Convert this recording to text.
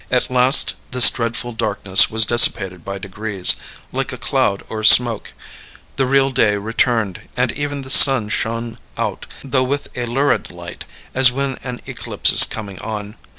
At last this dreadful darkness was dissipated by degrees, like a cloud or smoke; the real day returned, and even the sun shone out, though with a lurid light, as when an eclipse is coming on.